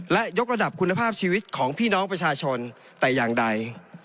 และยกระดับคุณภาพชีวิตของพี่น้องประชาชนแต่อย่างใด